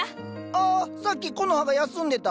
あっさっきコノハが休んでた。